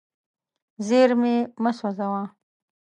زیرمې مه سوځوه.